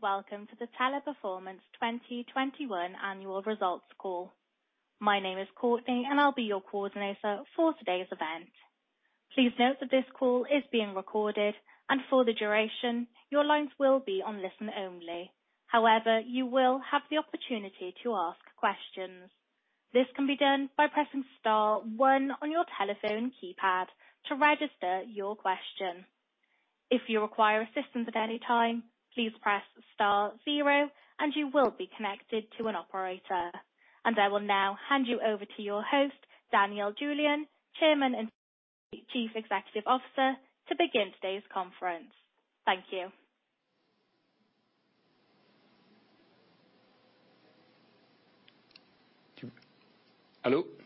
Hello, and welcome to the Teleperformance 2021 Annual Results call. My name is Courtney, and I'll be your coordinator for today's event. Please note that this call is being recorded, and for the duration, your lines will be on listen only. However, you will have the opportunity to ask questions. This can be done by pressing star one on your telephone keypad to register your question. If you require assistance at any time, please press star zero and you will be connected to an operator. I will now hand you over to your host, Daniel Julien, Chairman and Chief Executive Officer, to begin today's conference. Thank you. Hello? Apologies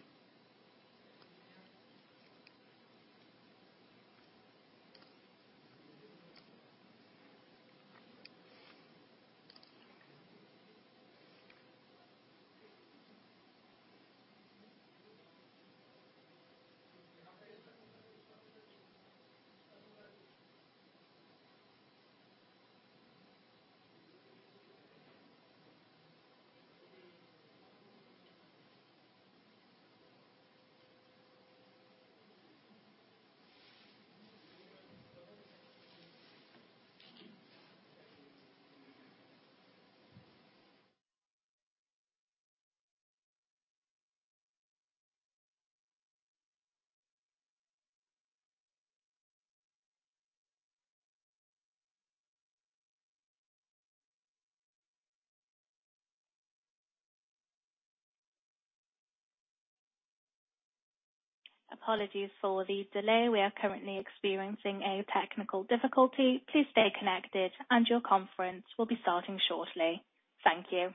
for the delay. We are currently experiencing a technical difficulty. Please stay connected, and your conference will be starting shortly. Thank you.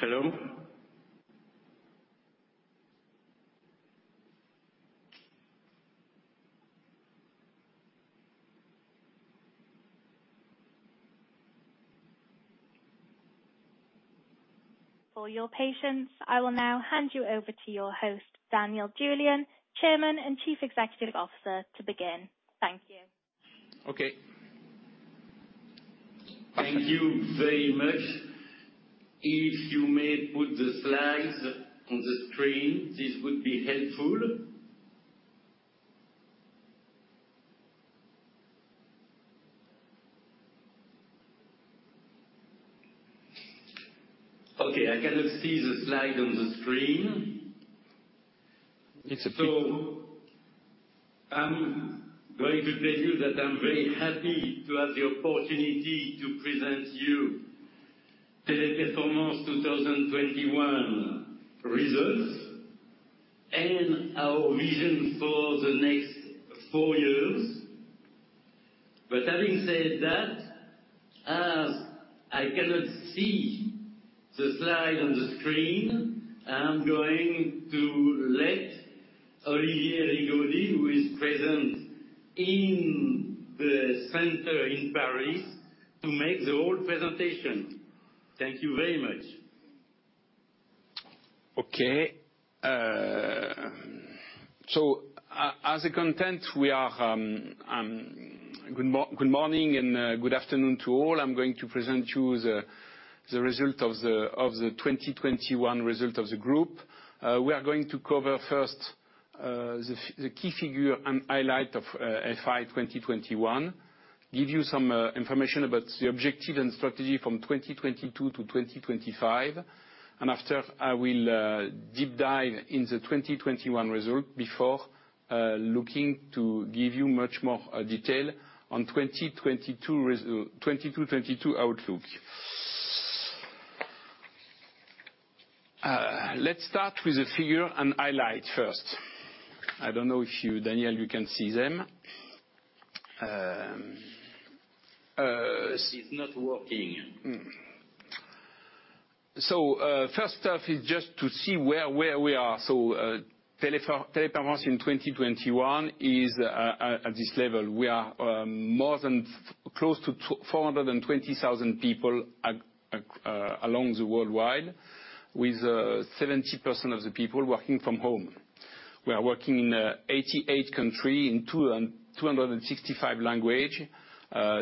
Hello? For your patience, I will now hand you over to your host, Daniel Julien, Chairman and Chief Executive Officer, to begin. Thank you. Okay. Thank you very much. If you may put the slides on the screen, this would be helpful. Okay, I cannot see the slide on the screen. It's okay. I'm going to tell you that I'm very happy to have the opportunity to present you Teleperformance 2021 Results and our vision for the next four years. Having said that, as I cannot see the slide on the screen, I'm going to let Olivier Rigaudy, who is present in the center in Paris, to make the whole presentation. Thank you very much. Good morning and good afternoon to all. I'm going to present you the result of the 2021 result of the group. We are going to cover first the key figures and highlights of FY 2021, give you some information about the objective and strategy from 2022-2025. After, I will deep dive in the 2021 result before looking to give you much more detail on 2022 outlook. Let's start with the figures and highlights first. I don't know if you, Daniel, can see them. It's not working. First off is just to see where we are. Teleperformance in 2021 is at this level. We are close to 420,000 people across the world, with 70% of the people working from home. We are working in 88 countries in 265 languages,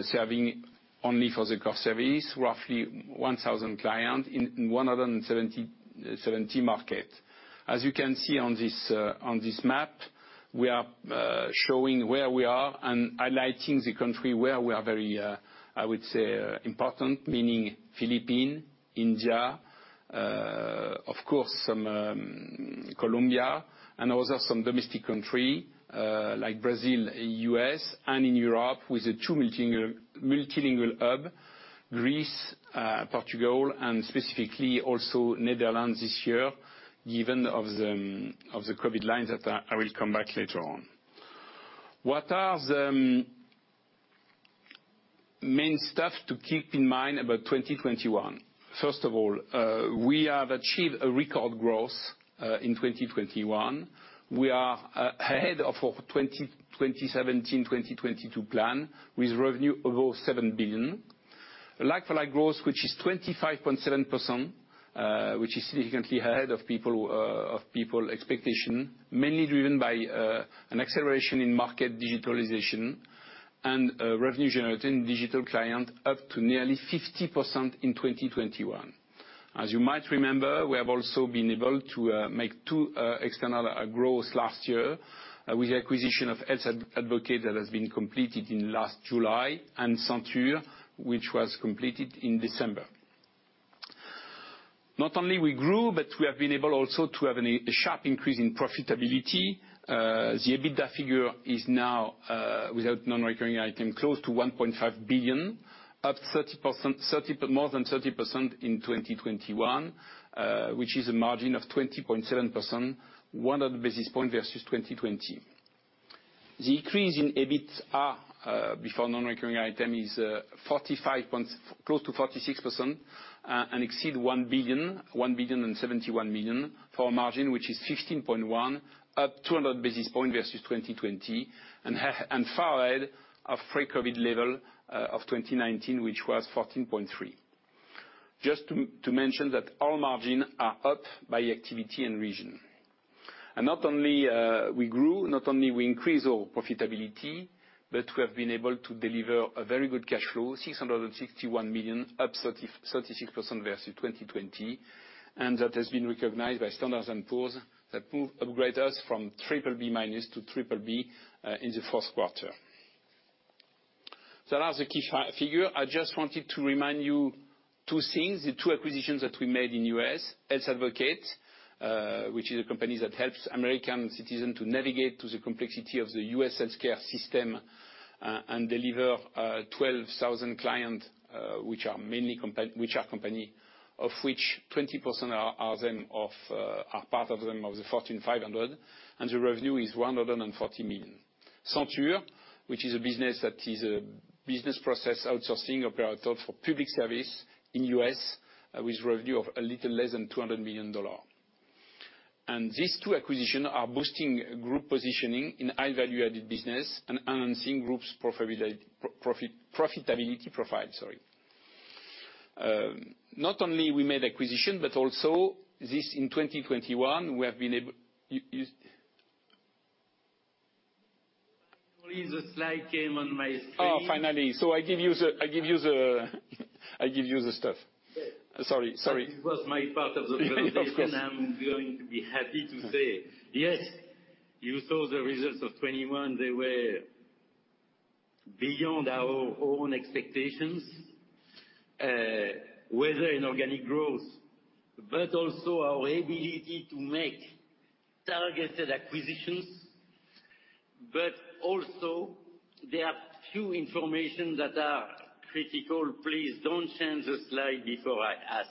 serving only for the call service, roughly 1,000 clients in 170 markets. As you can see on this map, we are showing where we are and highlighting the country where we are very, I would say important, meaning Philippines, India, of course some, Colombia, and also some domestic country, like Brazil, U.S., and in Europe, with two multilingual hub, Greece, Portugal, and specifically also Netherlands this year, given the COVID lines that I will come back later on. What are the main stuff to keep in mind about 2021? First of all, we have achieved a record growth in 2021. We are ahead of our 2017-2022 plan, with revenue above 7 billion. Like-for-like growth, which is 25.7%, which is significantly ahead of people expectation, mainly driven by an acceleration in market digitalization and revenue generating digital client up to nearly 50% in 2021. As you might remember, we have also been able to make two external growth last year, with the acquisition of Health Advocate that has been completed in last July, and Senture, which was completed in December. Not only we grew, but we have been able also to have a sharp increase in profitability. The EBITDA figure is now, without non-recurring item, close to 1.5 billion, up 30%, more than 30% in 2021, which is a margin of 20.7%, 100 basis points versus 2020. The increase in EBIT before non-recurring item is 45%, close to 46%, and exceeds 1,071 million for a margin which is 15.1%, up 200 basis points versus 2020, and far ahead of pre-COVID level of 2019, which was 14.3%. Just to mention that all margins are up by activity and region. Not only we grew, not only we increase our profitability, but we have been able to deliver a very good cash flow, 661 million, up 36% versus 2020. That has been recognized by Standard & Poor's, that move upgrade us from BBB- to BBB in the fourth quarter. As a key figure, I just wanted to remind you two things, the two acquisitions that we made in U.S. Health Advocate, which is a company that helps American citizens to navigate through the complexity of the U.S. healthcare system and delivers to 12,000 clients, which are mainly companies, of which 20% are part of the Fortune 500, and the revenue is $140 million. Senture, which is a business process outsourcing operator for public services in U.S., with revenue of a little less than $200 million. These two acquisitions are boosting the group's positioning in high-value-added businesses and enhancing the group's profitability profile, sorry. Not only we made acquisitions, but also this, in 2021, we have been able... Y-You- Only the slide came on my screen. Oh, finally. I give you the stuff. Great. Sorry. That was my part of the presentation. Of course. I'm going to be happy to say, yes, you saw the results of 2021. They were beyond our own expectations, whether in organic growth, but also our ability to make targeted acquisitions. Also, there are a few pieces of information that are critical. Please don't change the slide before I ask.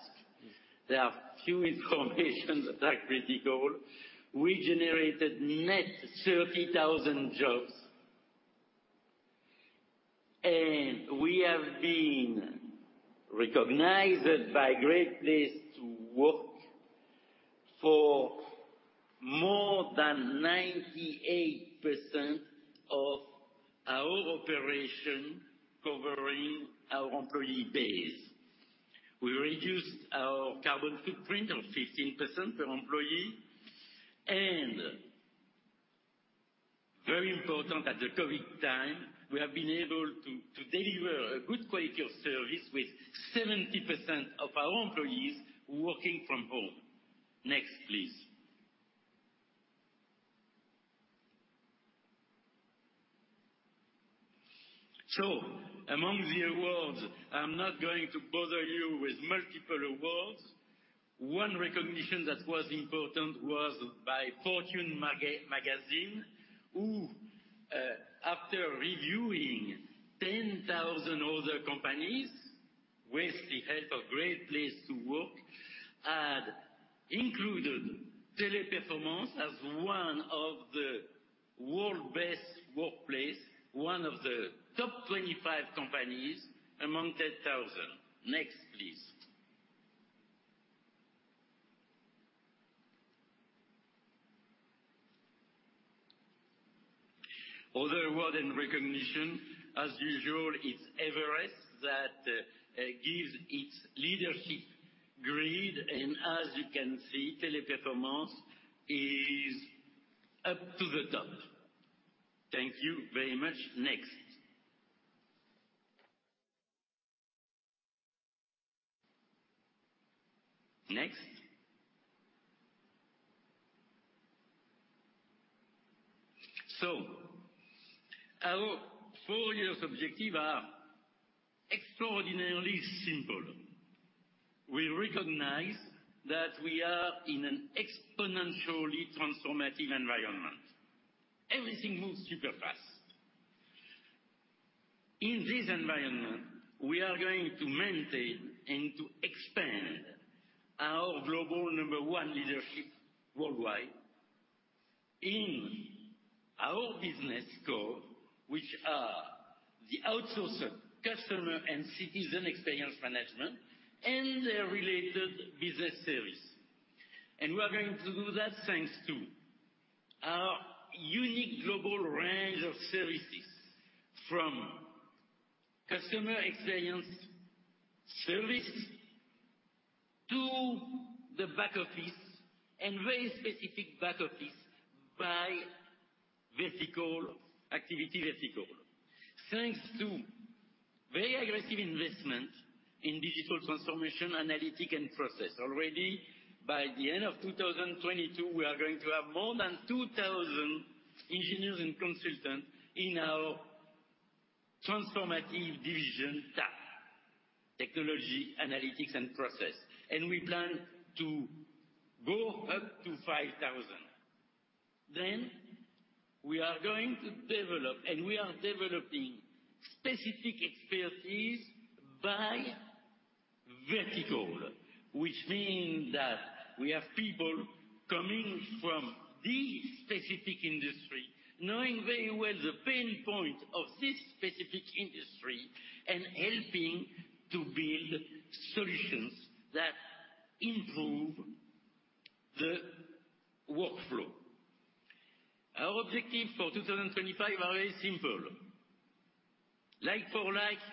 We generated net 30,000 jobs, and we have been recognized by Great Place to Work for more than 98% of our operations covering our employee base. We reduced our carbon footprint by 15% per employee, and very important at the COVID time, we have been able to deliver a good quality of service with 70% of our employees working from home. Next, please. Among the awards, I'm not going to bother you with multiple awards. One recognition that was important was by Fortune Magazine, who after reviewing 10,000 other companies with the help of Great Place to Work included Teleperformance as one of the world's best workplaces, one of the top 25 companies among 10,000. Next, please. Other awards and recognitions. As usual, it's Everest Group that gives its leadership grade. As you can see, Teleperformance is up to the top. Thank you very much. Next. Next. Our four-year objectives are extraordinarily simple. We recognize that we are in an exponentially transformative environment. Everything moves super fast. In this environment, we are going to maintain and to expand our global number one leadership worldwide in our business scope, which are the outsourced customer and citizen experience management and their related business services. We are going to do that, thanks to our unique global range of services, from customer experience service to the back office and very specific back office by vertical activity vertical. Thanks to very aggressive investment in digital transformation, analytics, and process. Already, by the end of 2022, we are going to have more than 2000 engineers and consultants in our transformative division, TAP, technology, analytics, and process. We are going to develop, and we are developing specific expertise by vertical, which mean that we have people coming from the specific industry, knowing very well the pain point of this specific industry, and helping to build solutions that improve the workflow. Our objectives for 2025 are very simple. Like-for-like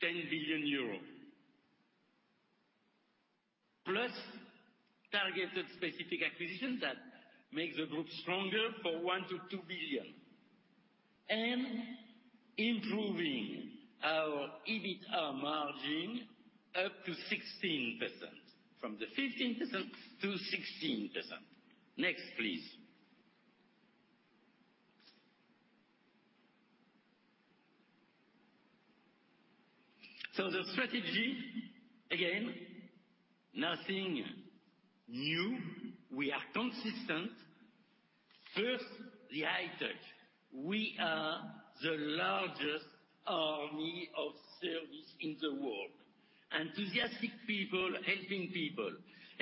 10 billion euros, plus targeted specific acquisitions that make the group stronger for 1 billion-2 billion, and improving our EBITA margin up to 16%, from the 15% to 16%. Next, please. The strategy, again, nothing new, we are consistent. First, the high touch. We are the largest army of service in the world. Enthusiastic people helping people.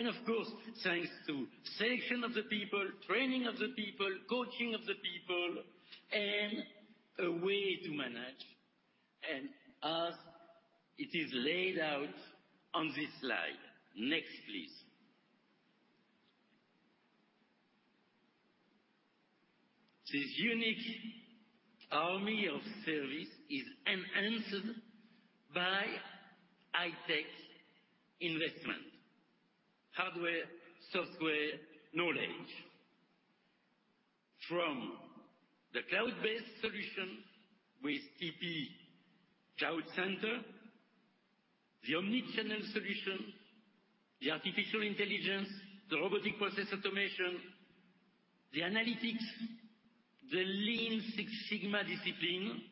Of course, thanks to selection of the people, training of the people, coaching of the people, and a way to manage, and as it is laid out on this slide. Next, please. This unique army of service is enhanced by high-tech investment, hardware, software, knowledge from the cloud-based solution with TP Cloud Campus, the omni-channel solution, the artificial intelligence, the robotic process automation, the analytics, the Lean Six Sigma discipline,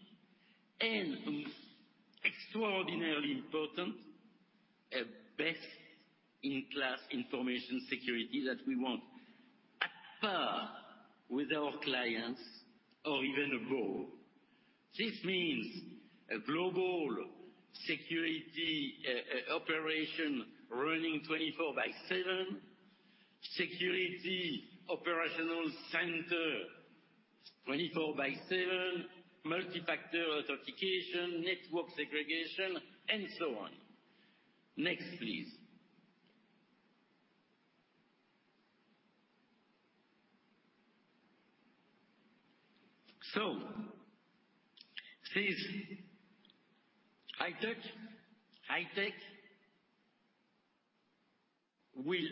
and extraordinarily important, a best-in-class information security that we want on par with our clients or even above. This means a Global Security operation running 24/7, security operations center 24/7, multi-factor authentication, network segregation, and so on. Next, please. This high touch, high tech will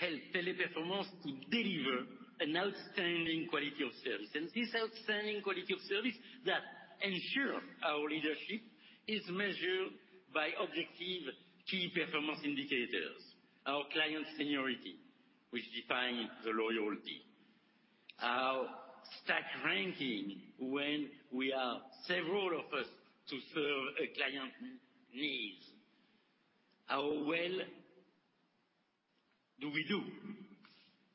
help Teleperformance to deliver an outstanding quality of service. This outstanding quality of service that ensure our leadership is measured by objective key performance indicators. Our client seniority, which define the loyalty. Our stack ranking when we are several of us to serve a client needs. How well do we do?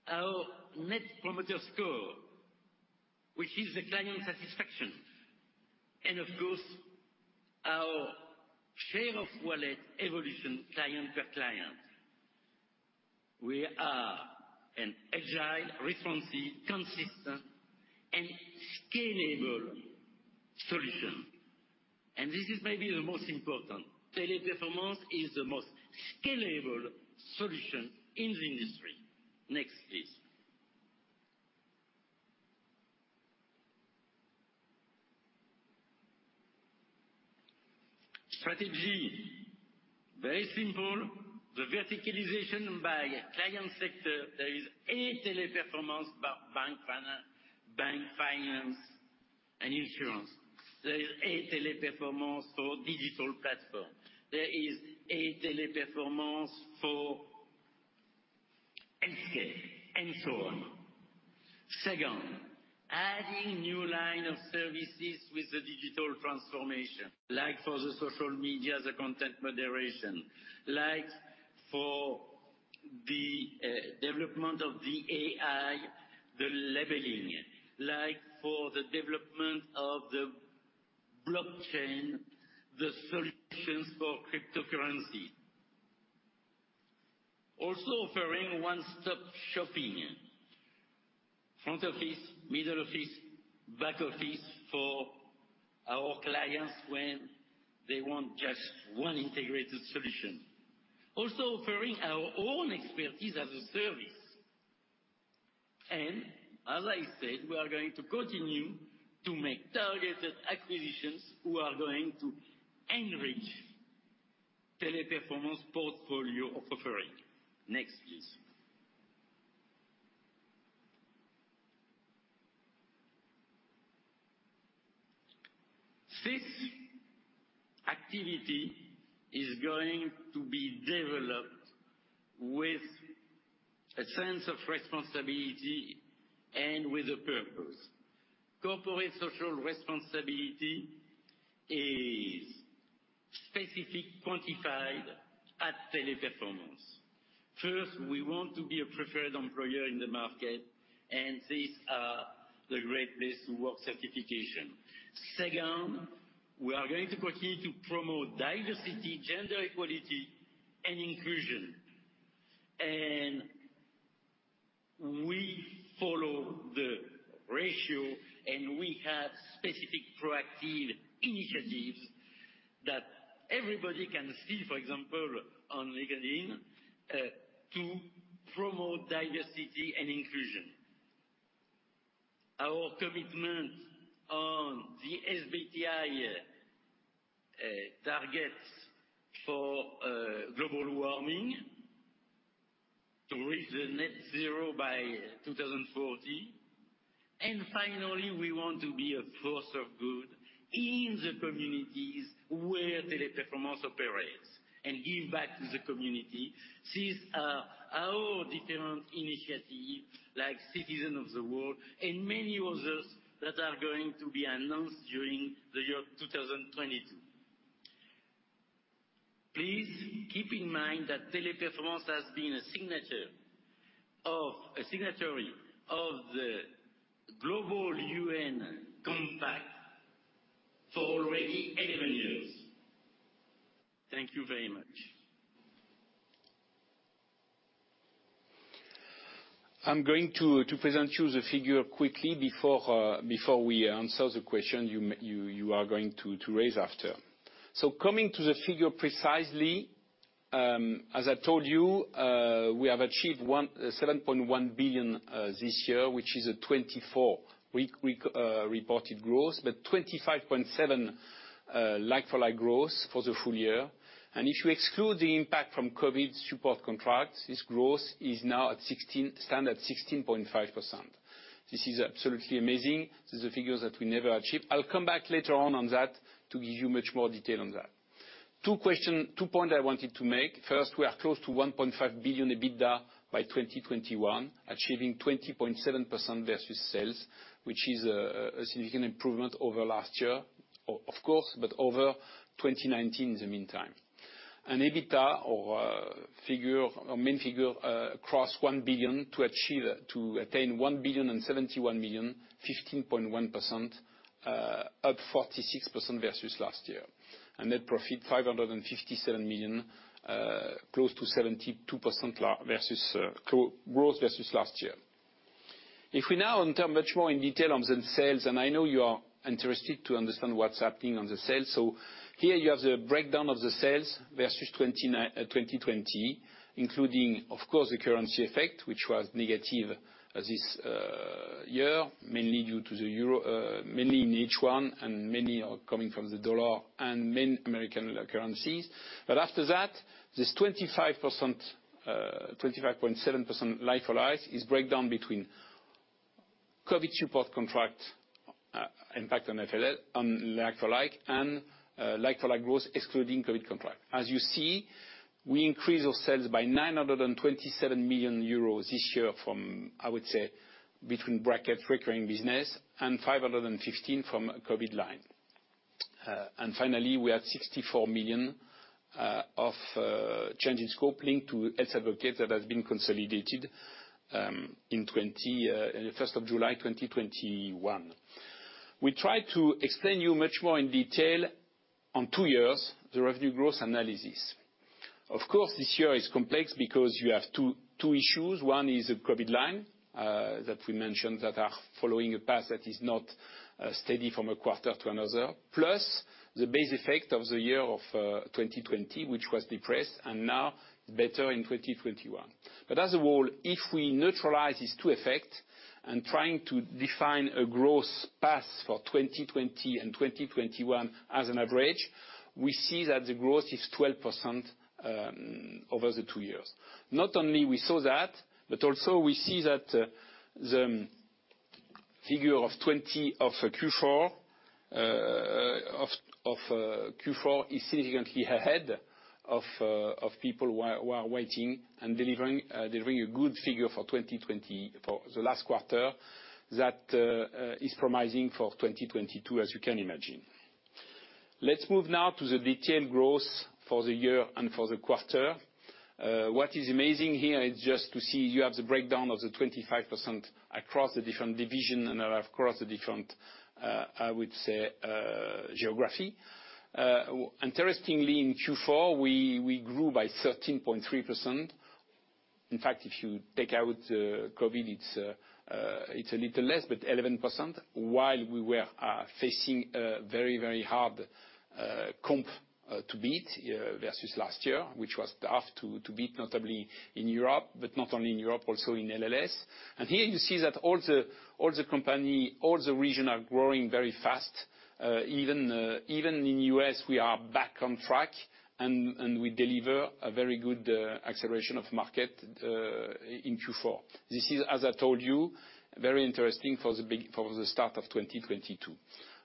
Our Net Promoter Score, which is the client satisfaction, and of course, our share of wallet evolution client per client. We are an agile, responsive, consistent and scalable solution, and this is maybe the most important. Teleperformance is the most scalable solution in the industry. Next, please. Strategy. Very simple. The verticalization by client sector. There is a Teleperformance bank finance, bank finance and insurance. There is a Teleperformance for digital platform. There is a Teleperformance for healthcare and so on. Second, adding new line of services with the digital transformation, like for the social media, the content moderation, like for the development of the AI, the labeling. Like for the development of the blockchain, the solutions for cryptocurrency. Also offering one-stop shopping. Front office, middle office, back office for our clients when they want just one integrated solution. Also offering our own expertise as a service. As I said, we are going to continue to make targeted acquisitions who are going to enrich Teleperformance portfolio of offering. Next, please. This activity is going to be developed with a sense of responsibility and with a purpose. Corporate social responsibility is specifically quantified at Teleperformance. First, we want to be a preferred employer in the market, and these are the Great Place to Work certification. Second, we are going to continue to promote diversity, gender equality and inclusion. We follow the ratio, and we have specific proactive initiatives that everybody can see, for example, on LinkedIn, to promote diversity and inclusion. Our commitment on the SBTi targets for global warming to reach the net zero by 2040. Finally, we want to be a force of good in the communities where Teleperformance operates, and give back to the community. These are our different initiatives like Citizen of the World and many others that are going to be announced during the year 2022. Please keep in mind that Teleperformance has been a signatory of the UN Global Compact for already 11 years. Thank you very much. I'm going to present you the figure quickly before we answer the question you are going to raise after. Coming to the figure precisely, as I told you, we have achieved 7.1 billion this year, which is a 24% reported growth, but 25.7% like-for-like growth for the full year. If you exclude the impact from COVID support contracts, this growth is now at 16.5%. This is absolutely amazing. This is the figures that we never achieved. I'll come back later on that to give you much more detail on that. Two points I wanted to make. First, we are close to 1.5 billion EBITDA by 2021, achieving 20.7% versus sales, which is a significant improvement over last year, of course, but over 2019 in the meantime. EBITDA figure or main figure crossed 1 billion to attain 1.071 billion, 15.1%, up 46% versus last year. Net profit, 557 million, close to 72% growth versus last year. If we now enter much more in detail on the sales, I know you are interested to understand what's happening on the sales. Here you have the breakdown of the sales versus 2020, including, of course, the currency effect, which was negative this year, mainly due to the euro, mainly in H1, and mainly coming from the dollar and main American currencies. After that, this 25%, 25.7% like-for-like is breakdown between COVID support contract impact on like-for-like and like-for-like growth excluding COVID contract. As you see, we increased our sales by 927 million euros this year from, I would say, between brackets, recurring business and 515 from COVID line. Finally, we had 64 million of change in scope linked to Health Advocate that has been consolidated in July 1, 2021. We try to explain to you much more in detail over two years the revenue growth analysis. Of course, this year is complex because you have two issues. One is the COVID line that we mentioned that are following a path that is not steady from a quarter to another, plus the base effect of the year of 2020, which was depressed and now better in 2021. As a whole, if we neutralize these two effects and trying to define a growth path for 2020 and 2021 as an average, we see that the growth is 12% over the two years. Not only we saw that, but also we see that the figure of 20% for Q4 is significantly ahead of people who are waiting and delivering a good figure for 2020 for the last quarter that is promising for 2022, as you can imagine. Let's move now to the detailed growth for the year and for the quarter. What is amazing here is just to see you have the breakdown of the 25% across the different division and across the different, I would say, geography. Interestingly, in Q4, we grew by 13.3%. In fact, if you take out COVID, it's a little less, but 11%, while we were facing a very hard comp to beat versus last year, which was tough to beat, notably in Europe, but not only in Europe, also in LLS. Here you see that all the company, all the regions are growing very fast. Even in U.S., we are back on track and we deliver a very good acceleration of market in Q4. This is, as I told you, very interesting for the start of 2022.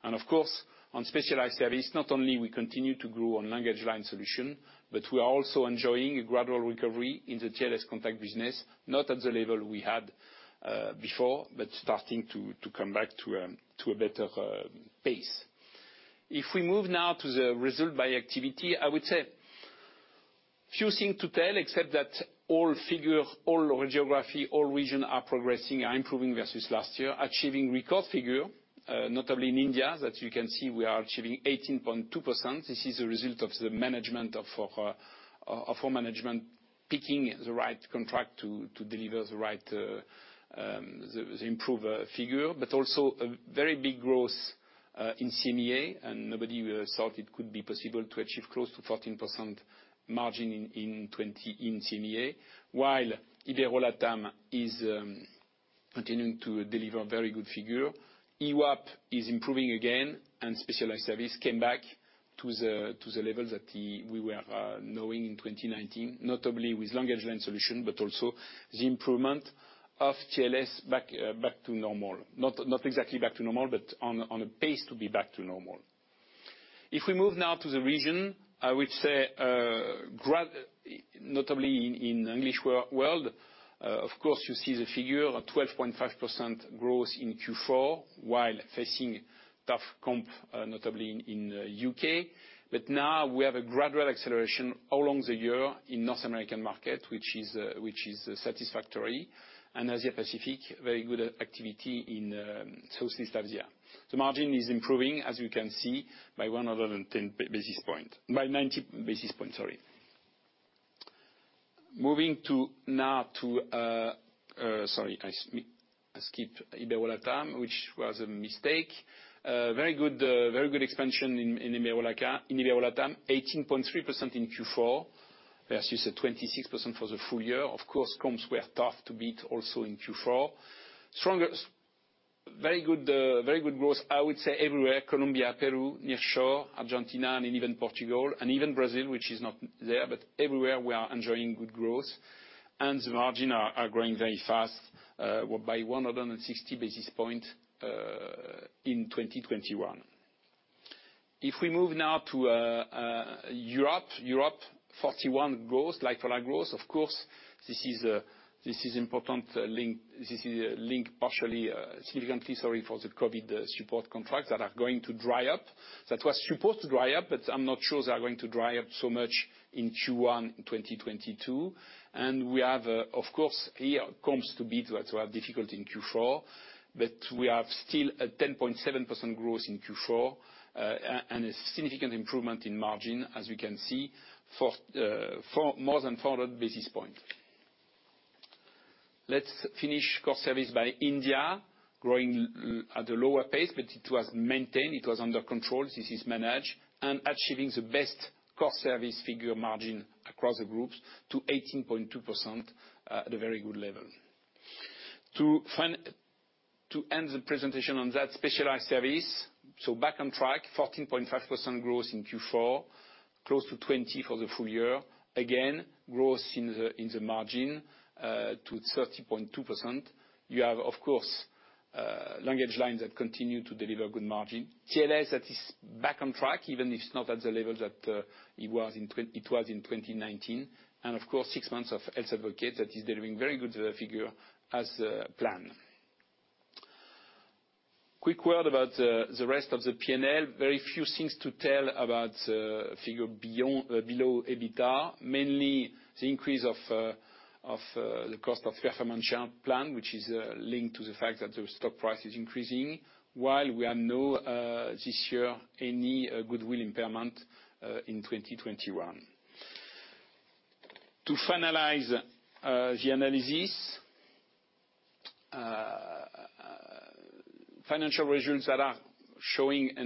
Of course, on specialized service, not only we continue to grow on LanguageLine Solutions, but we are also enjoying a gradual recovery in the TLScontact business, not at the level we had before, but starting to come back to a better pace. If we move now to the results by activity, I would say few things to tell, except that all figures, all geographies, all regions are progressing and improving versus last year, achieving record figures, notably in India, that you can see we are achieving 18.2%. This is a result of our management picking the right contract to deliver the improved figure, but also a very big growth in EMEA, and nobody really thought it could be possible to achieve close to 14% margin in 2020 in EMEA. While Ibero-LATAM is continuing to deliver very good figure. EWAP is improving again, and Specialized Services came back to the level that we were knowing in 2019, notably with LanguageLine Solutions, but also the improvement of TLS back to normal. Not exactly back to normal, but on a pace to be back to normal. If we move now to the region, I would say, notably in English world, of course, you see the figure of 12.5% growth in Q4 while facing tough comp, notably in U.K. Now we have a gradual acceleration all along the year in North American market, which is satisfactory. Asia Pacific, very good activity in Southeast Asia. The margin is improving, as you can see, by 90 basis points, sorry. Moving now to, sorry, I skip IberoLATAM, which was a mistake. Very good expansion in IberoLATAM, 18.3% in Q4, versus 26% for the full year. Of course, comps were tough to beat also in Q4. Very good, very good growth, I would say, everywhere, Colombia, Peru, Nearshore, Argentina, and even Portugal, and even Brazil, which is not there, but everywhere we are enjoying good growth. The margin are growing very fast by 160 basis points in 2021. If we move now to Europe, 41% growth, like-for-like growth, of course, this is important link, this is linked partially, significantly. Sorry, for the COVID support contracts that are going to dry up. That was supposed to dry up, but I'm not sure they are going to dry up so much in Q1 2022. We have, of course, here comps to beat that were difficult in Q4, but we have still a 10.7% growth in Q4, and a significant improvement in margin, as you can see, for more than 400 basis points. Let's finish core service by India, growing at a lower pace, but it was maintained, it was under control, this is managed, and achieving the best core service figure margin across the groups to 18.2%, at a very good level. To end the presentation on that specialized service, back on track, 14.5% growth in Q4, close to 20 for the full year. Again, growth in the margin to 30.2%. You have, of course, language lines that continue to deliver good margin. TLS that is back on track, even if it's not at the level that it was in 2019. Of course, six months of Health Advocate that is delivering very good figure as planned. Quick word about the rest of the P&L. Very few things to tell about figure below EBITDA. Mainly the increase of the cost of share plan, which is linked to the fact that the stock price is increasing, while we have no this year, any goodwill impairment in 2021. To finalize the analysis, financial results that are showing a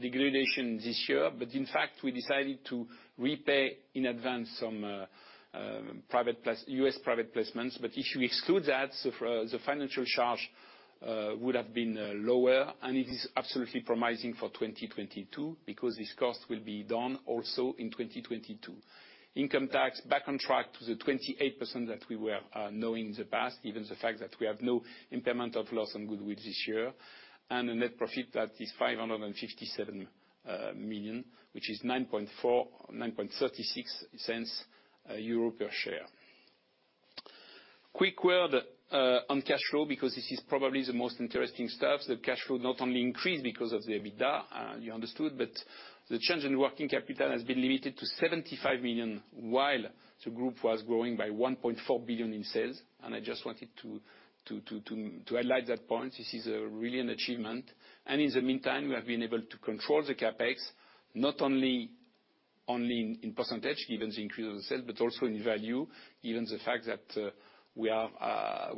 degradation this year, but in fact, we decided to repay in advance some US private placements. If you exclude that, the financial charge would have been lower, and it is absolutely promising for 2022, because this cost will be done also in 2022. Income tax back on track to the 28% that we were knowing in the past, given the fact that we have no impairment of loss on goodwill this year. A net profit that is 557 million, which is 9.36 euros per share. Quick word on cash flow, because this is probably the most interesting stuff. The cash flow not only increased because of the EBITDA you understood, but the change in working capital has been limited to 75 million, while the group was growing by 1.4 billion in sales. I just wanted to highlight that point. This is really an achievement. In the meantime, we have been able to control the CapEx, not only in percentage, given the increase in sales, but also in value, given the fact that our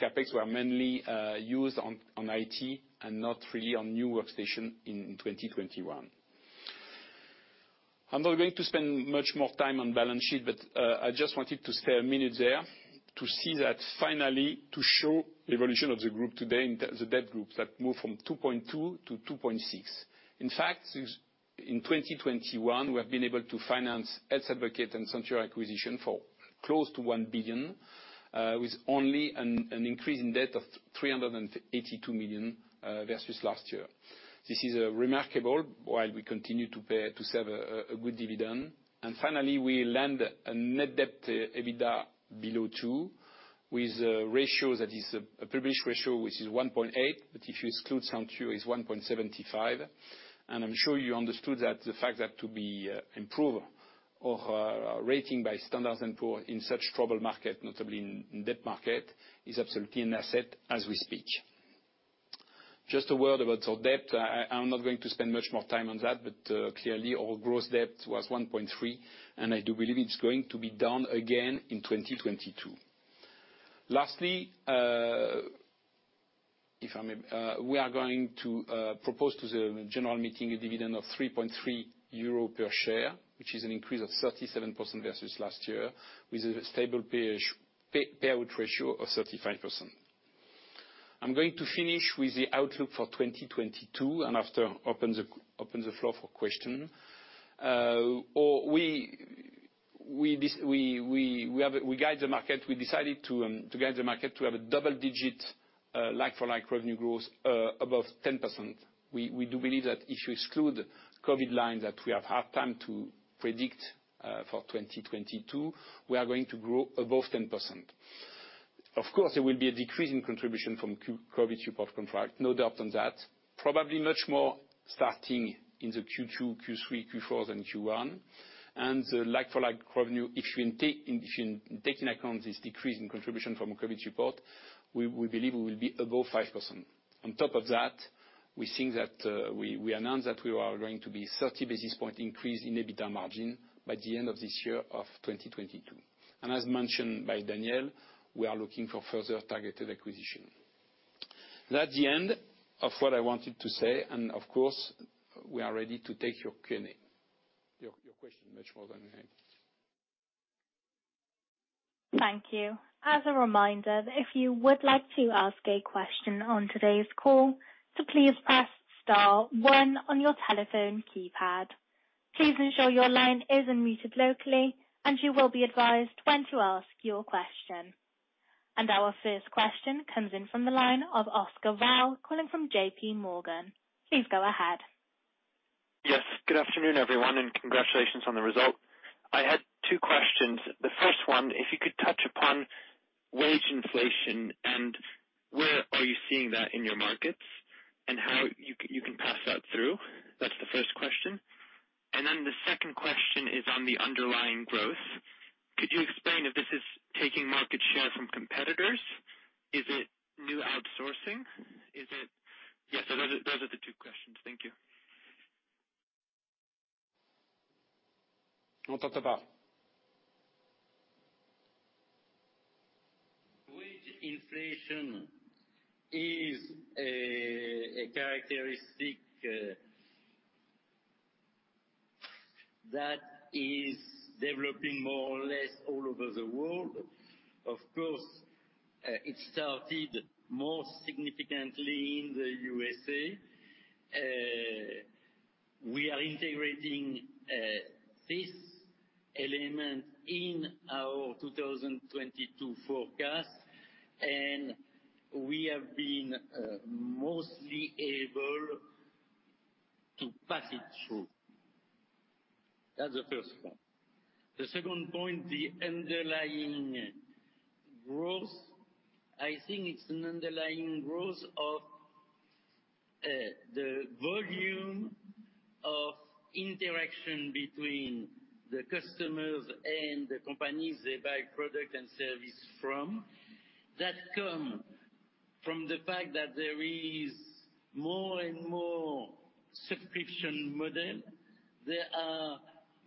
CapEx were mainly used on IT and not really on new workstation in 2021. I'm not going to spend much more time on balance sheet. I just wanted to stay a minute there to see that finally, to show the evolution of the group today in the net debt to EBITDA that move from 2.2x-2.6x. In fact, in 2021, we have been able to finance Health Advocate and Senture acquisition for close to 1 billion with only an increase in debt of 382 million versus last year. This is remarkable while we continue to pay a good dividend. Finally, we land a net debt to EBITDA below 2%, with a ratio that is a published ratio, which is 1.8%, but if you exclude Senture, is 1.75%. I'm sure you understood that the fact that our rating was improved by Standard & Poor's in such a troubled market, notably in debt market, is absolutely an asset as we speak. Just a word about our debt. I'm not going to spend much more time on that, but clearly our gross debt was 1.3, and I do believe it's going to be down again in 2022. Lastly, if I may, we are going to propose to the general meeting a dividend of 3.3 euro per share, which is an increase of 37% versus last year, with a stable payout ratio of 35%. I'm going to finish with the outlook for 2022, and after open the floor for question. Or we discussed we have a. We guide the market. We decided to guide the market to have a double digit like-for-like revenue growth above 10%. We do believe that if you exclude the COVID lines that we have hard time to predict for 2022, we are going to grow above 10%. Of course, there will be a decrease in contribution from COVID support contract, no doubt on that. Probably much more starting in the Q2, Q3, Q4 than Q1. The like-for-like revenue, if you take into account this decrease in contribution from COVID support, we believe we will be above 5%. On top of that, we think that we announced that we are going to be 30 basis point increase in EBITDA margin by the end of this year of 2022. As mentioned by Daniel, we are looking for further targeted acquisition. That's the end of what I wanted to say. Of course, we are ready to take your Q&A, your question much more than that. Thank you. As a reminder, if you would like to ask a question on today's call, please press star one on your telephone keypad. Please ensure your line is unmuted locally and you will be advised when to ask your question. Our first question comes in from the line of Oscar Rao calling from JPMorgan. Please go ahead. Good afternoon, everyone, and congratulations on the result. I had two questions. The first one, if you could touch upon wage inflation and where are you seeing that in your markets and how you can pass that through. That's the first question. Then the second question is on the underlying growth. Could you explain if this is taking market share from competitors? Is it new outsourcing? Yes, so those are the two questions. Thank you. Dr. De Paepe. Wage inflation is a characteristic that is developing more or less all over the world. Of course, it started more significantly in the USA. We are integrating this element in our 2022 forecast, and we have been mostly able to pass it through. That's the first one. The second point, the underlying growth, I think it's an underlying growth of the volume of interaction between the customers and the companies they buy product and service from. That come from the fact that there is more and more subscription model. There are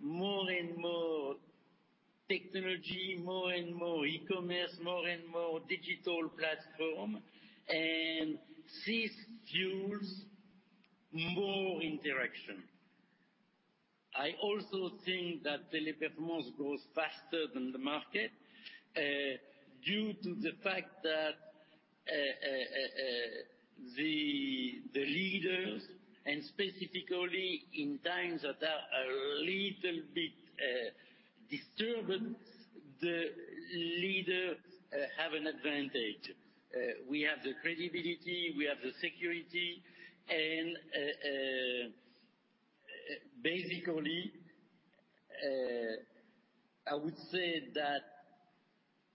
more and more technology, more and more e-commerce, more and more digital platform, and this fuels more interaction. I also think that Teleperformance grows faster than the market due to the fact that the leaders, and specifically in times that are a little bit disturbed, the leaders have an advantage. We have the credibility, we have the security and basically I would say that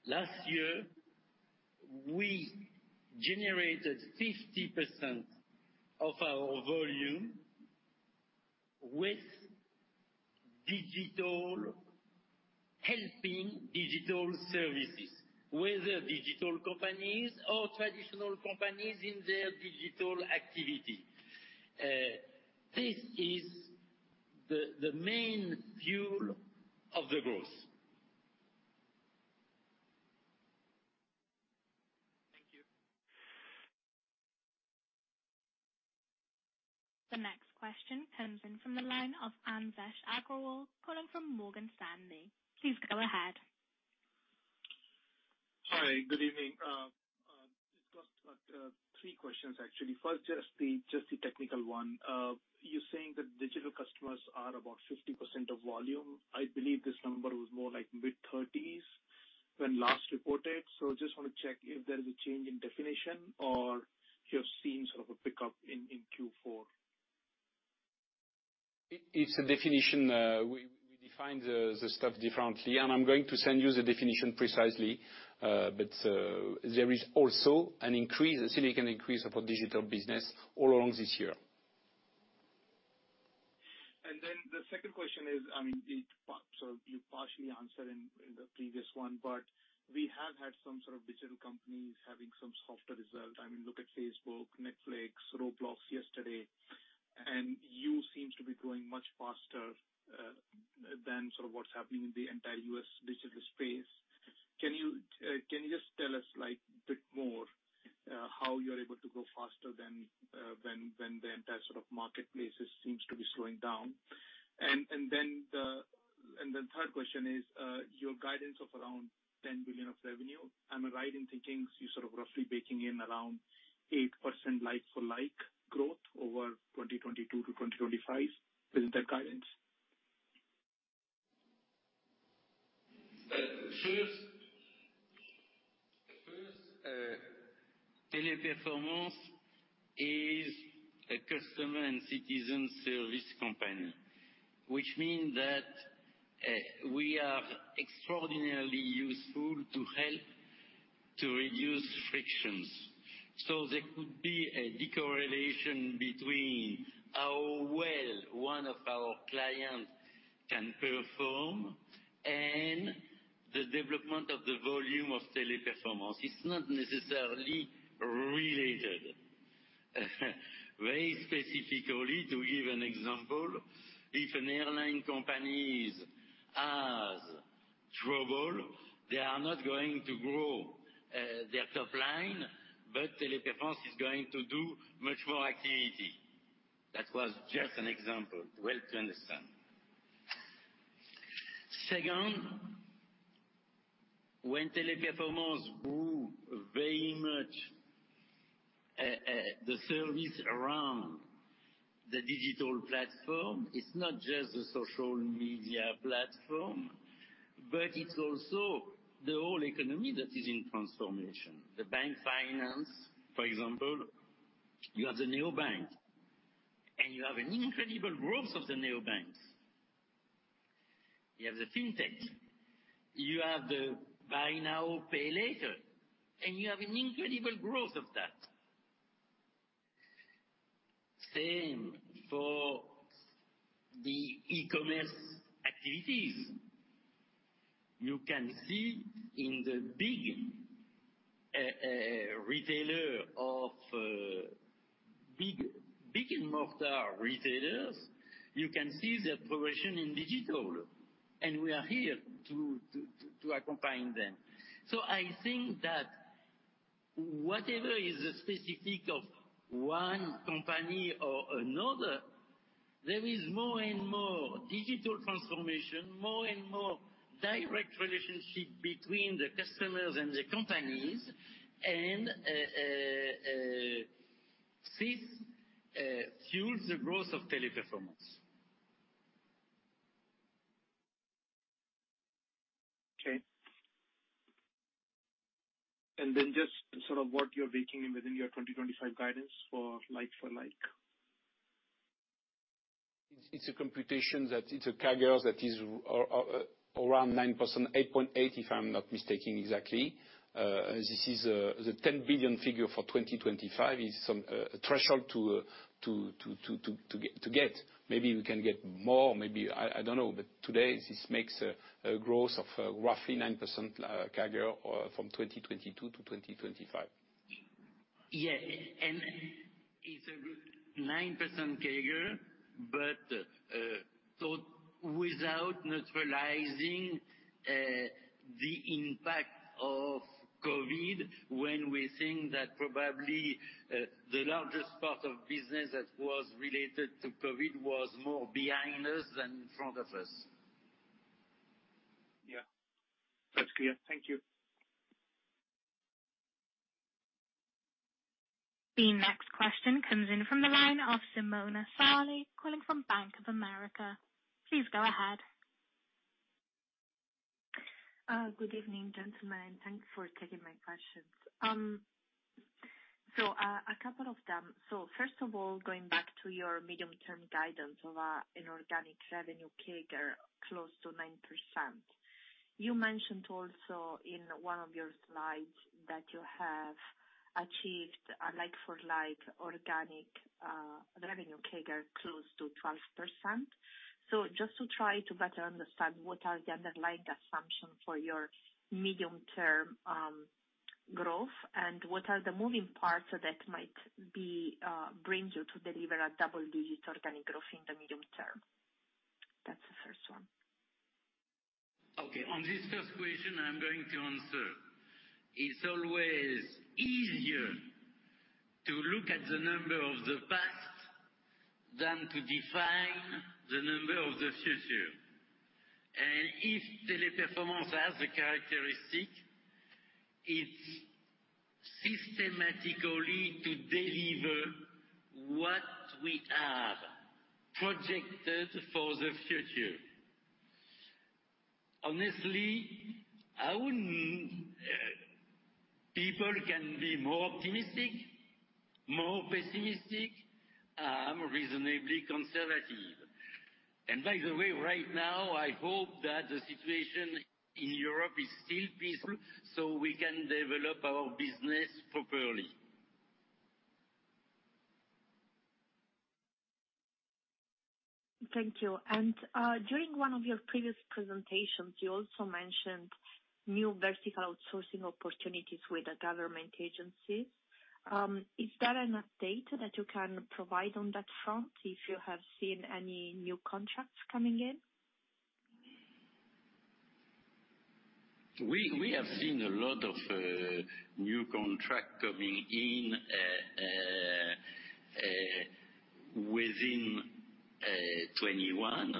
last year we generated 50% of our volume with digital helping digital services, whether digital companies or traditional companies in their digital activity. This is the main fuel of the growth. Thank you. The next question comes in from the line of Anvesh Agrawal, calling from Morgan Stanley. Please go ahead. Hi, good evening. Just, like, three questions, actually. First, just the technical one. You're saying that digital customers are about 50% of volume. I believe this number was more like mid-thirties when last reported. Just wanna check if there is a change in definition or you have seen sort of a pickup in Q4. It's a definition. We define the stuff differently, and I'm going to send you the definition precisely. There is also an increase, a significant increase of our digital business all along this year. The second question is, I mean, so you partially answered in the previous one, but we have had some sort of digital companies having some softer results. I mean, look at Facebook, Netflix, Roblox yesterday, and you seem to be growing much faster than sort of what's happening in the entire U.S. digital space. Can you just tell us, like, bit more how you're able to grow faster than the entire sort of marketplace that seems to be slowing down? The third question is, your guidance of around 10 billion of revenue. Am I right in thinking you're sort of roughly baking in around 8% like-for-like growth over 2022-2025? Is that guidance? First, Teleperformance is a customer and citizen service company, which mean that we are extraordinarily useful to help to reduce frictions. There could be a decorrelation between how well one of our clients can perform and the development of the volume of Teleperformance. It's not necessarily related. Very specifically, to give an example, if an airline companies has trouble, they are not going to grow their top line, but Teleperformance is going to do much more activity. That was just an example, well, to understand. Second, when Teleperformance grew very much, the service around the digital platform, it's not just the social media platform, but it's also the whole economy that is in transformation. The bank finance, for example, you have the neobank, and you have an incredible growth of the neobanks. You have the fintech. You have the Buy Now, Pay Later, and you have an incredible growth of that. Same for the e-commerce activities. You can see in the big brick-and-mortar retailers their progression in digital, and we are here to accompany them. I think that whatever is the specific of one company or another, there is more and more digital transformation, more and more direct relationship between the customers and the companies. This fuels the growth of Teleperformance. Okay. Just sort of what you're baking in within your 2025 guidance for like-for-like? It's a computation that it's a CAGR that is around 9%, 8.8%, if I'm not mistaken exactly. This is the 10 billion figure for 2025 is some threshold to get. Maybe we can get more, maybe I don't know. Today this makes a growth of roughly 9% CAGR from 2022-2025. It's a good 9% CAGR, but without neutralizing the impact of COVID, when we think that probably the largest part of business that was related to COVID was more behind us than in front of us. Yeah, that's clear. Thank you. The next question comes in from the line of Simona Sarli, calling from Bank of America. Please go ahead. Good evening, gentlemen. Thanks for taking my questions. A couple of them. First of all, going back to your medium-term guidance of an organic revenue CAGR close to 9%. You mentioned also in one of your slides that you have achieved a like-for-like organic revenue CAGR close to 12%. Just to try to better understand, what are the underlying assumptions for your medium-term growth, and what are the moving parts that might be brings you to deliver a double-digit organic growth in the medium term? That's the first one. Okay. On this first question, I'm going to answer. It's always easier to look at the number of the past than to define the number of the future. If Teleperformance has a characteristic, it's systematically to deliver what we have projected for the future. Honestly, people can be more optimistic, more pessimistic. I'm reasonably conservative. By the way, right now, I hope that the situation in Europe is still peaceful so we can develop our business properly. Thank you. During one of your previous presentations, you also mentioned new vertical outsourcing opportunities with the government agency. Is there an update that you can provide on that front, if you have seen any new contracts coming in? We have seen a lot of new contract coming in within 2021,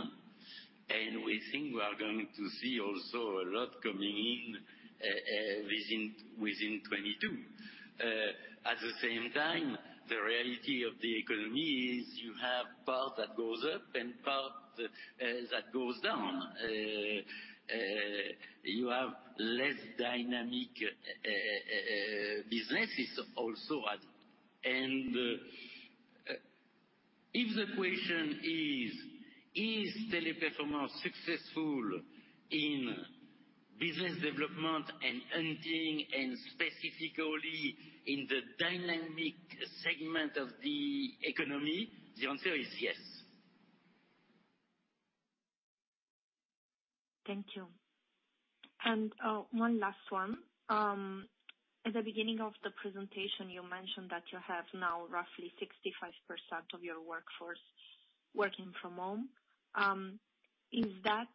and we think we are going to see also a lot coming in within 2022. At the same time, the reality of the economy is you have part that goes up and part that goes down. You have less dynamic businesses also. If the question is Teleperformance successful in business development and hunting and specifically in the dynamic segment of the economy? The answer is yes. Thank you. One last one. At the beginning of the presentation, you mentioned that you have now roughly 65% of your workforce working from home. Is that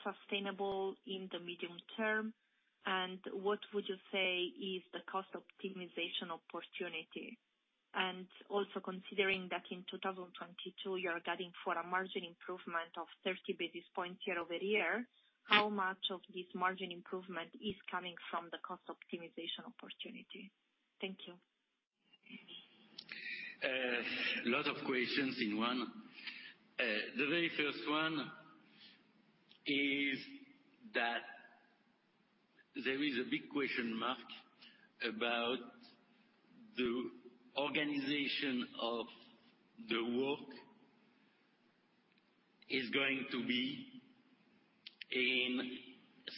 sustainable in the medium term? What would you say is the cost optimization opportunity? Also considering that in 2022 you're guiding for a margin improvement of 30 basis points year-over-year, how much of this margin improvement is coming from the cost optimization opportunity? Thank you. Lot of questions in one. The very first one is that there is a big question mark about the organization of the work is going to be in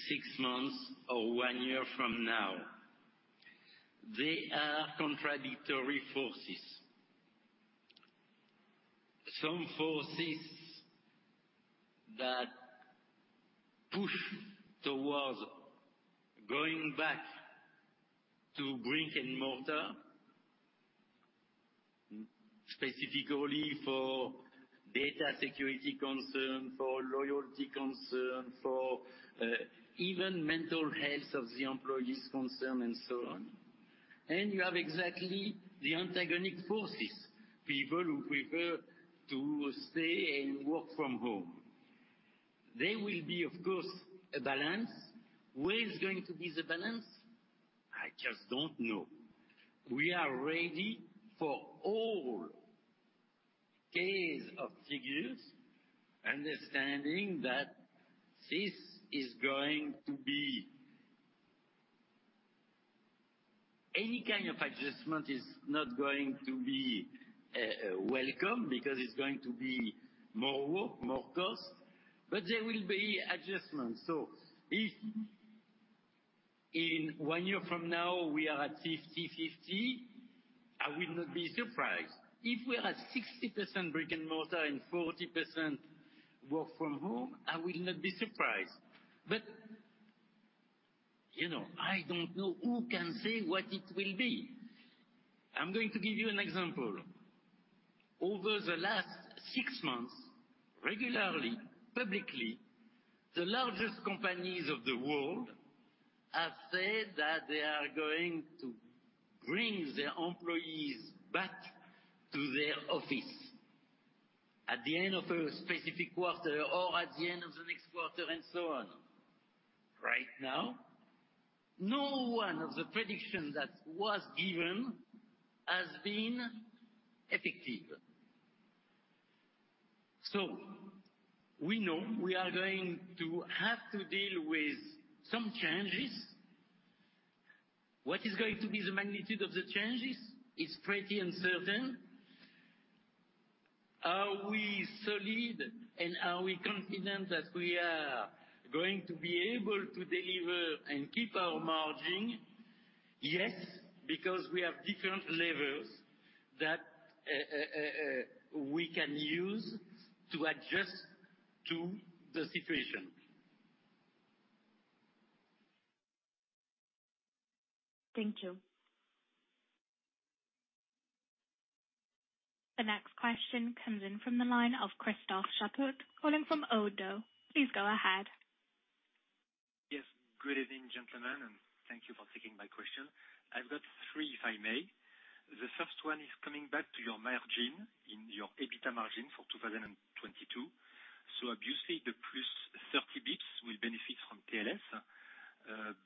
six months or one year from now. There are contradictory forces. Some forces that push towards going back to brick and mortar, specifically for data security concern, for loyalty concern, for even mental health of the employees concern and so on. You have exactly the antagonistic forces, people who prefer to stay and work from home. There will be, of course, a balance. Where is going to be the balance? I just don't know. We are ready for all cases or figures, understanding that this is going to be any kind of adjustment is not going to be welcome because it's going to be more work, more cost, but there will be adjustments. If in one year from now we are at 50/50, I will not be surprised. If we are at 60% brick-and-mortar and 40% work from home, I will not be surprised. You know, I don't know who can say what it will be. I'm going to give you an example. Over the last six months, regularly, publicly, the largest companies of the world have said that they are going to bring their employees back to their office at the end of a specific quarter or at the end of the next quarter and so on. Right now, none of the predictions that were given has been effective. We know we are going to have to deal with some changes. What is going to be the magnitude of the changes is pretty uncertain. Are we solid and are we confident that we are going to be able to deliver and keep our margin? Yes, because we have different levers that we can use to adjust to the situation. Thank you. The next question comes in from the line of Christophe Chaput calling from Oddo. Please go ahead. Yes. Good evening, gentlemen, and thank you for taking my question. I've got three, if I may. The first one is coming back to your margin, in your EBITDA margin for 2022. Obviously the +30 bps will benefit from TLS,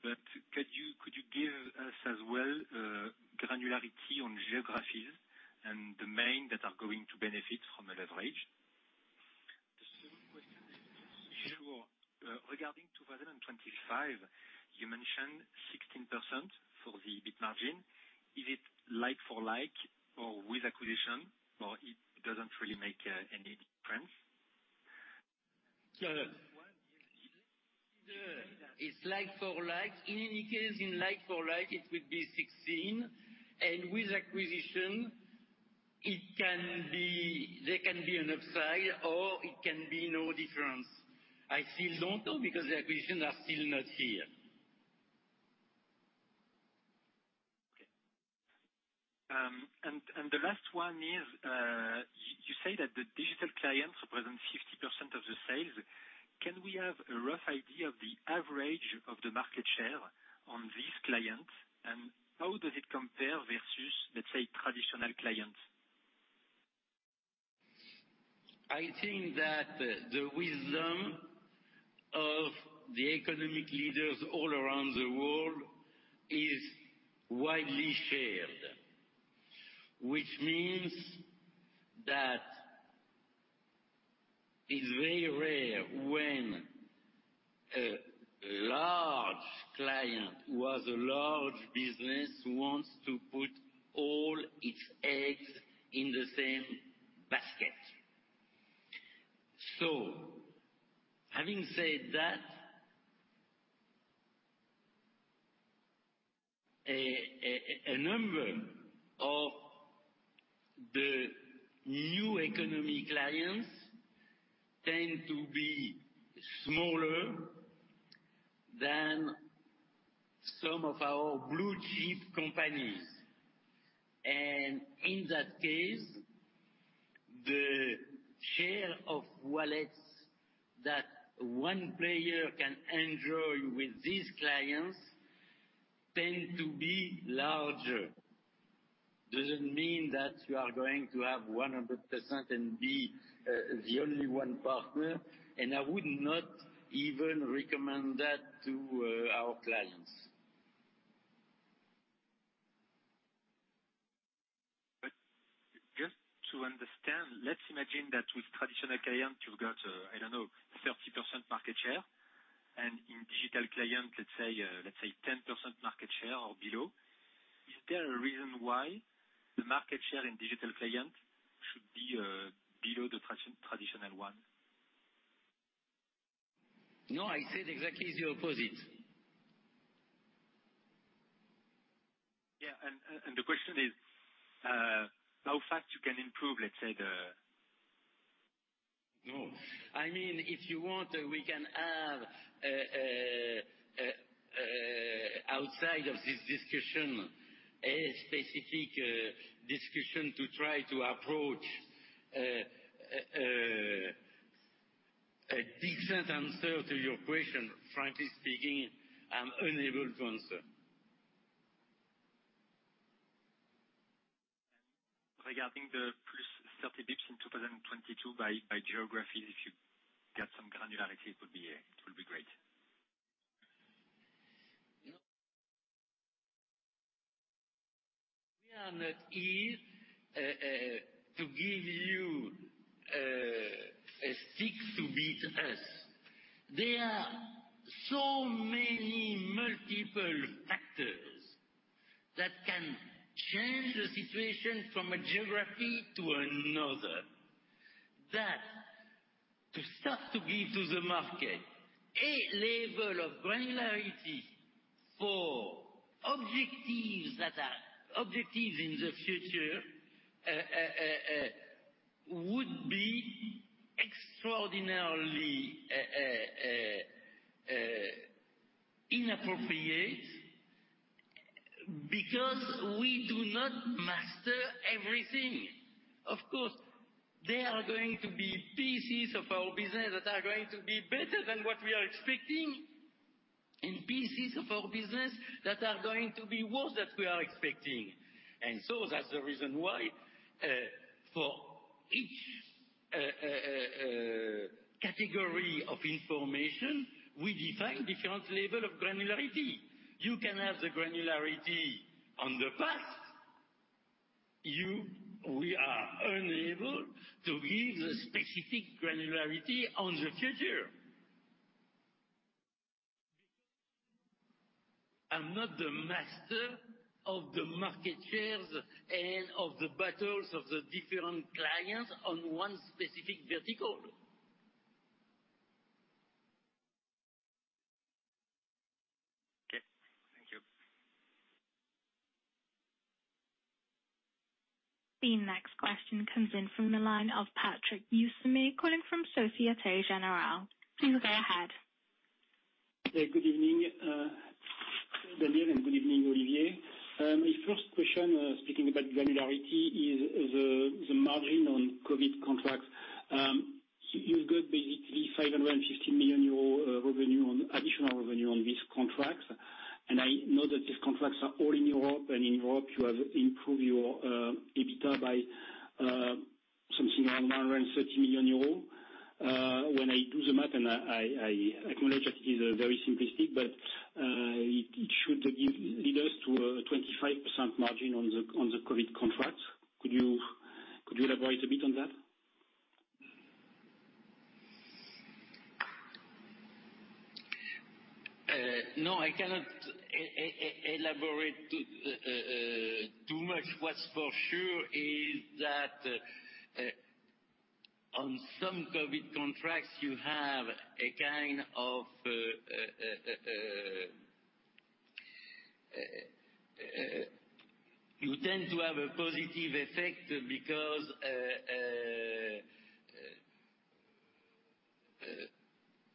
but could you give us as well granularity on geographies and domain that are going to benefit from a leverage? The second question is sure, regarding 2025, you mentioned 16% for the EBIT margin. Is it like for like or with acquisition, or it doesn't really make any difference? Yeah. It's like-for-like. In any case, in like-for-like it would be 16%, and with acquisition it can be. There can be an upside or it can be no difference. I still don't know because the acquisition are still not here. Okay. The last one is, you say that the digital clients represent 50% of the sales. Can we have a rough idea of the average of the market share on these clients? How does it compare versus, let's say, traditional clients? I think that the wisdom of the economic leaders all around the world is widely shared, which means that it's very rare when a large client who has a large business wants to put all its eggs in the same basket. Having said that, a number of the new economy clients tend to be smaller than some of our blue chip companies. In that case, the share of wallets that one player can enjoy with these clients tend to be larger. Doesn't mean that you are going to have 100% and be the only one partner, and I would not even recommend that to our clients. Just to understand, let's imagine that with traditional client you've got, I don't know, 30% market share, and in digital client, let's say 10% market share or below. Is there a reason why the market share in digital client should be below the traditional one? No, I said exactly the opposite. Yeah. The question is, how fast you can improve, let's say the. No. I mean, if you want, we can have a outside of this discussion, a specific discussion to try to approach a different answer to your question. Frankly speaking, I'm unable to answer. Regarding the +30 bps in 2022 by geographies, if you get some granularity, it would be great. We are not here to give you a stick to beat us. There are so many multiple factors that can change the situation from a geography to another. That to start to give to the market a level of granularity for objectives that are objectives in the future would be extraordinarily inappropriate, because we do not master everything. Of course, there are going to be pieces of our business that are going to be better than what we are expecting, and pieces of our business that are going to be worse than we are expecting. That's the reason why, for each category of information, we define different level of granularity. You can have the granularity on the past. We are unable to give the specific granularity on the future. I'm not the master of the market shares and of the battles of the different clients on one specific vertical. Okay. Thank you. The next question comes in from the line of Patrick Jousseaume, calling from Société Générale. Please go ahead. Hey, good evening, Daniel, and good evening, Olivier. My first question, speaking about granularity is the margin on COVID contracts. You've got basically 550 million euro additional revenue on these contracts. I know that these contracts are all in Europe. In Europe, you have improved your EBITDA by something around 130 million euros. When I do the math, I acknowledge that it is very simplistic, but it should lead us to a 25% margin on the COVID contracts. Could you elaborate a bit on that? No, I cannot elaborate too much. What's for sure is that, on some COVID contracts, you tend to have a positive effect because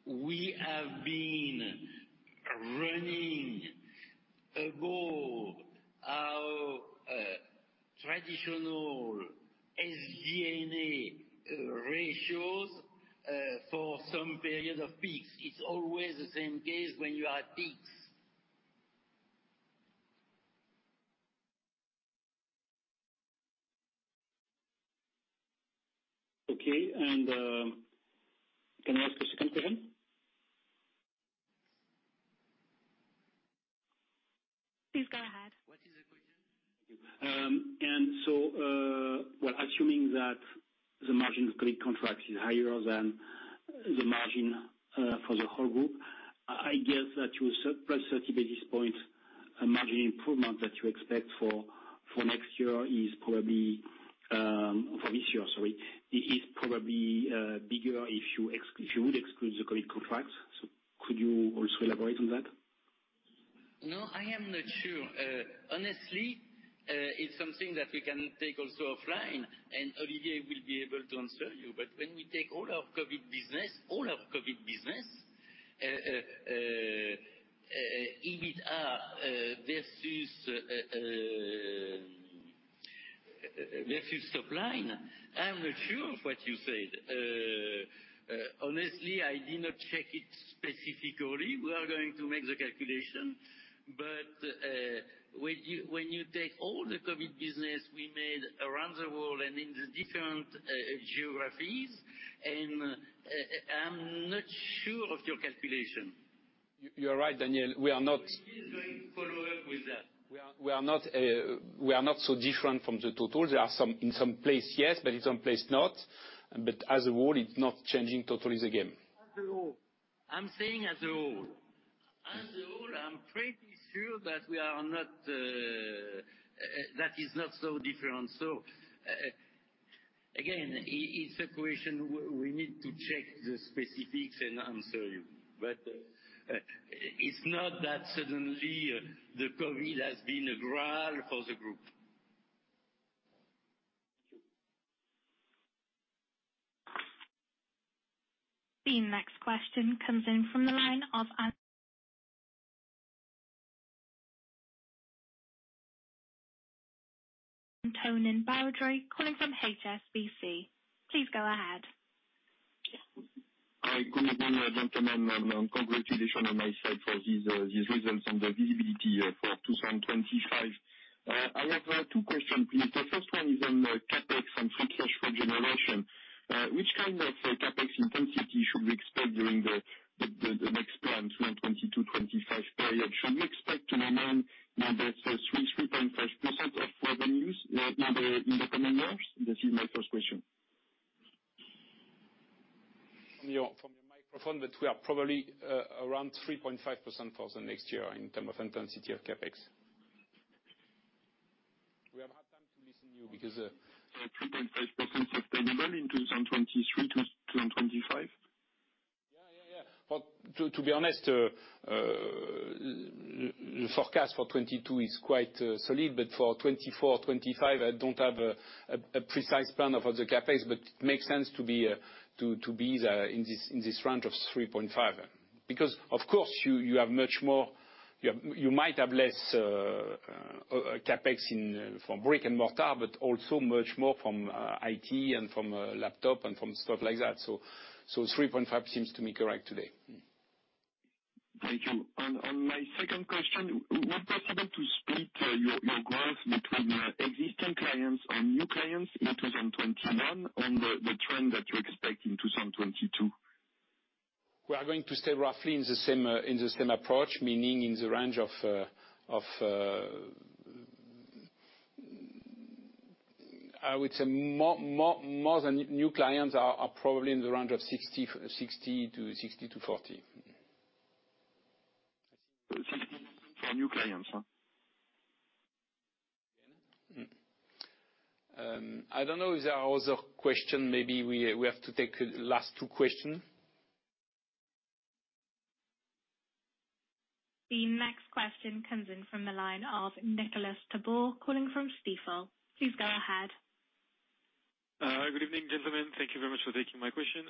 we have been running above our traditional SG&A ratios for some period of peaks. It's always the same case when you are at peaks. Okay. Can I ask the second question? Please go ahead. What is the question? Assuming that the margin of COVID contracts is higher than the margin for the whole group, I guess that your +30 basis points margin improvement that you expect for this year is probably bigger if you would exclude the COVID contracts. Could you also elaborate on that? No, I am not sure. Honestly, it's something that we can take also offline, and Olivier will be able to answer you. When we take all our COVID business, EBITDA versus top line, I'm not sure of what you said. Honestly, I did not check it specifically. We are going to make the calculation. When you take all the COVID business we made around the world and in the different geographies, I'm not sure of your calculation. You're right, Daniel. We are not. Olivier is going to follow up with that. We are not so different from the total. There are some in some places, yes, but in some places, not. As a whole, it's not changing totally the game. As a whole, I'm pretty sure that we are not, that is not so different. Again, it's a question we need to check the specifics and answer you. It's not that suddenly the COVID has been the Holy Grail for the group. Thank you. The next question comes in from the line of Antonin Baudry, calling from HSBC. Please go ahead. Hi. Good morning, gentlemen, and congratulations on my side for these results and the visibility for 2025. I have two questions, please. The first one is on the CapEx. The next plan, 2022-2025 period. Should we expect to know now that the 3.5% of revenues in the coming years? This is my first question. From your microphone, we are probably around 3.5% for the next year in terms of intensity of CapEx. We have a hard time listening to you because the- 3.5% sustainable in 2023-2025. To be honest, the forecast for 2022 is quite solid, but for 2024, 2025, I don't have a precise plan of the CapEx. It makes sense to be in this range of 3.5%. Because of course, you have much more. You might have less CapEx from brick and mortar, but also much more from IT and from laptop and from stuff like that. Three point five seems to me correct today. Thank you. My second question, would it be possible to split your growth between existing clients and new clients in 2021, and the trend that you expect in 2022? We are going to stay roughly in the same approach, meaning in the range of, I would say more than new clients are probably in the range of 60%-40%. New clients, huh? I don't know if there are other questions, maybe we have to take last two questions. The next question comes in from the line of Nicolas Tabor calling from Stifel. Please go ahead. Good evening, gentlemen. Thank you very much for taking my question.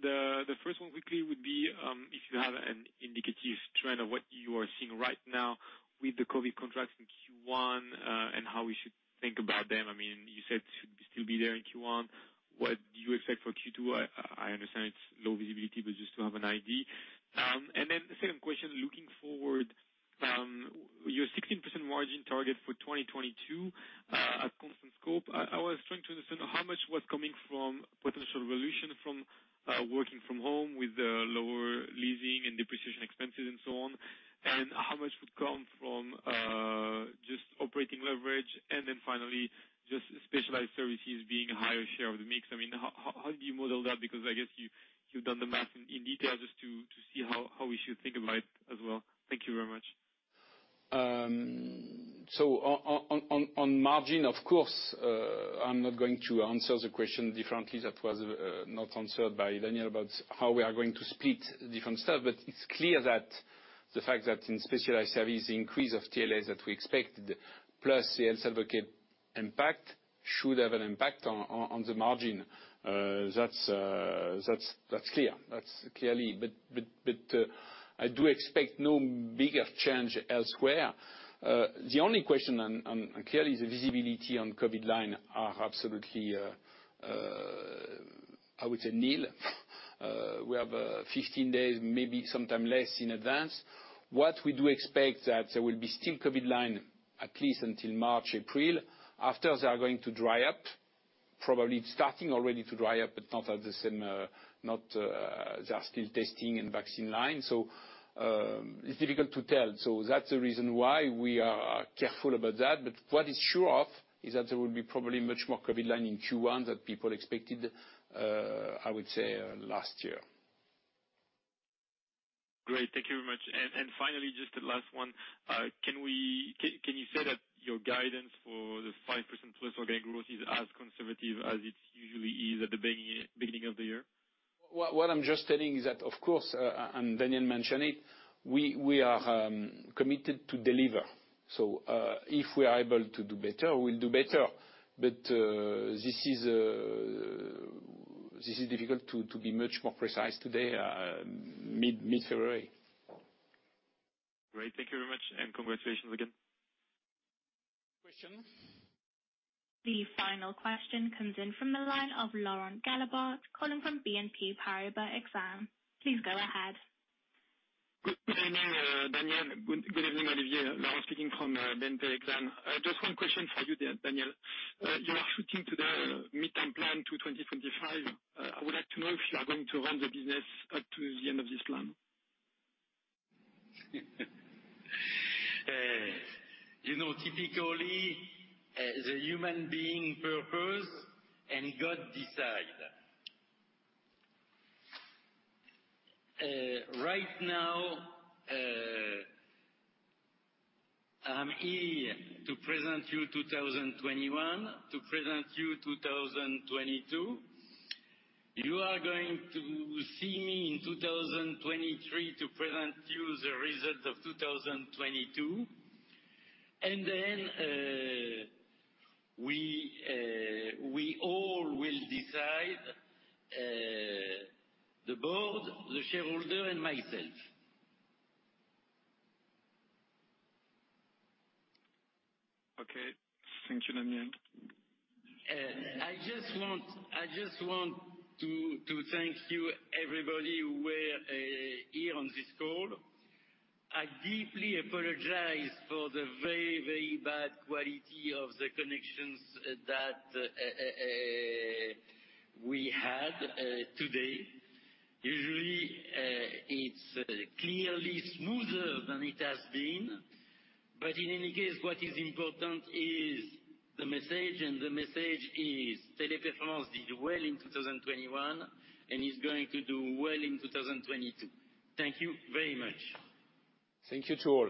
The first one quickly would be if you have an indicative trend of what you are seeing right now with the COVID contracts in Q1 and how we should think about them. I mean, you said it should still be there in Q1. What do you expect for Q2? I understand it's low visibility, but just to have an idea. The second question, looking forward, your 16% margin target for 2022 at constant scope, I was trying to understand how much was coming from potential evolution from working from home with the lower leasing and depreciation expenses and so on. How much would come from just operating leverage. Finally, just specialized services being a higher share of the mix. I mean, how do you model that? Because I guess you've done the math in detail just to see how we should think about it as well. Thank you very much. On margin, of course, I'm not going to answer the question differently that was not answered by Daniel about how we are going to split different stuff. It's clear that the fact that in specialized services, the increase of TLS that we expected plus the Health Advocate impact should have an impact on the margin. That's clear. I do expect no bigger change elsewhere. The only question and clearly the visibility on COVID line are absolutely nil. We have 15 days, maybe sometime less in advance. What we do expect that there will be still COVID line at least until March, April. After, they are going to dry up. Probably it's starting already to dry up, but not at the same, they are still testing and vaccine line. It's difficult to tell. That's the reason why we are careful about that. What is sure is that there will be probably much more COVID line in Q1 than people expected, I would say, last year. Great. Thank you very much. Finally, just the last one. Can you say that your guidance for the 5%+ organic growth is as conservative as it usually is at the beginning of the year? What I'm just telling is that, of course, and Daniel mentioned it, we are committed to deliver. If we are able to do better, we'll do better. This is difficult to be much more precise today, mid-February. Great. Thank you very much, and congratulations again. Questions. The final question comes in from the line of Laurent Gélébart, calling from BNP Paribas Exane. Please go ahead. Good evening, Daniel. Good evening, Olivier. Laurent speaking from BNP Exane. Just one question for you, Daniel. You are sticking to the mid-term plan to 2025. I would like to know if you are going to run the business up to the end of this plan. You know, typically, the human being purpose and God decide. Right now, I'm here to present you 2021, to present you 2022. You are going to see me in 2023 to present you the result of 2022. Then, we all will decide, the board, the shareholder, and myself. Okay. Thank you, Daniel. I just want to thank you, everybody who were here on this call. I deeply apologize for the very bad quality of the connections that we had today. Usually, it's clearly smoother than it has been. In any case, what is important is the message, and the message is Teleperformance did well in 2021 and is going to do well in 2022. Thank you very much. Thank you to all.